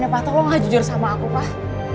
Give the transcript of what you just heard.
kenapa tolong gak jujur sama aku pak